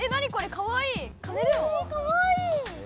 かわいい！